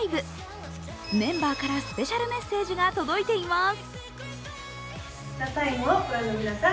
メンバーからスペシャルメッセージが届いています。